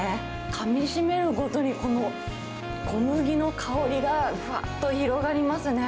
かみしめるごとにこの小麦の香りが、ふわっと広がりますね。